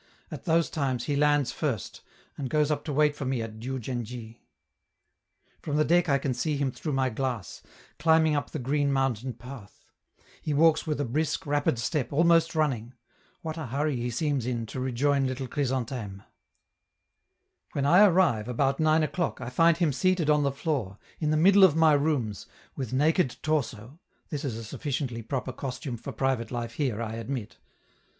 At those times he lands first, and goes up to wait for me at Diou djen dji. From the deck I can see him through my glass, climbing up the green mountain path; he walks with a brisk, rapid step, almost running; what a hurry he seems in to rejoin little Chrysantheme! When I arrive, about nine o'clock, I find him seated on the floor, in the middle of my rooms, with naked torso (this is a sufficiently proper costume for private life here, I admit).